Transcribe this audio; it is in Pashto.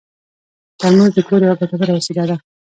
ترموز د کور یوه ګټوره وسیله ده.